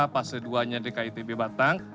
fase dua nya di kitb batang